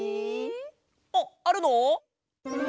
あっあるの？